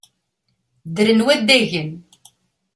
Ddren waddagen.